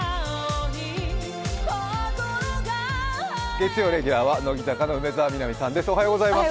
月曜レギュラーは乃木坂の梅澤美波さんです。